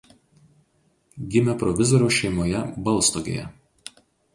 Gimė provizoriaus šeimoje Balstogėje.